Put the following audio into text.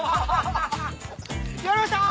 やりました！